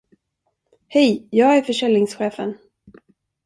Hej, jag är försäljningschefen.